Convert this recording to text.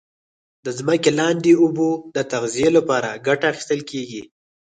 د ځمکې لاندي اوبو د تغذیه لپاره کټه اخیستل کیږي.